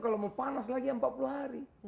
kalau mau panas lagi ya empat puluh hari